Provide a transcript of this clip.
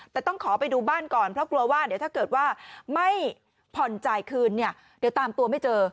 แต่ต้องขอไปดูบ้านก่อนเพราะกลัวว่าเดี๋ยวถ้าเกิดว่าไม่ผ่อนจ่ายคืนเนี่ยเดี๋ยวตามตัวไม่เจอ